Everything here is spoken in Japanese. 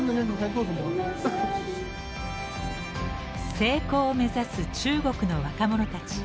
成功を目指す中国の若者たち。